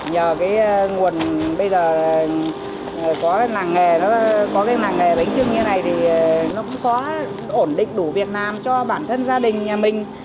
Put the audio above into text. nhờ cái nguồn bây giờ có cái làng nghề bánh chưng như thế này thì nó cũng có ổn định đủ việc làm cho bản thân gia đình nhà mình